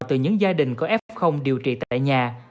từ những gia đình có f điều trị tại nhà